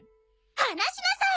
離しなさい！